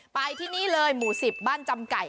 ไปที่นี่เลยหมู่๑๐บ้านจำไก่